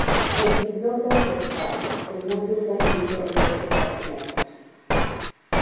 En sección transversal, el muslo está dividido en tres compartimentos.